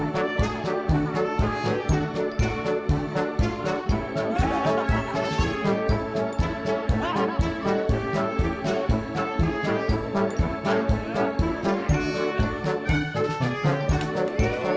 ต้องไปฝูนอนไอ้แม่เออไม่ได้ขายท่าหมา